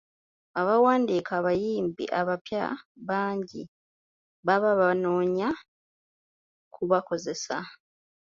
Abawandiika abayimbi abapya bangi baba babanoonya kubakozesa.